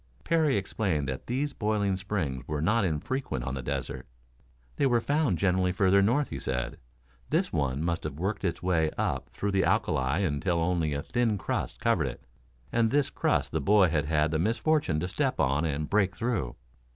Parry explained that these boiling springs were not infrequent on the desert. They were found, generally, further north, he said. This one must have worked its way up through the alkali until only a thin crust covered it, and this crust the boy had had the misfortune to step on and break through.